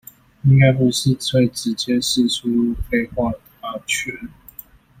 應該不是會直接釋出廢話大全